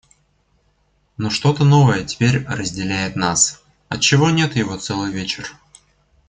Но что-то новое теперь разделяет нас. Отчего нет его целый вечер?